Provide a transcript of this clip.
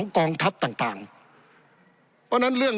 ปี๑เกณฑ์ทหารแสน๒